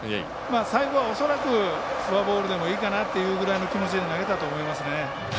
最後は恐らく、フォアボールでもいいかなというぐらいの気持ちで投げたと思いますね。